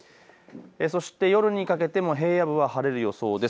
そして夜にかけても平野部は晴れる予想です。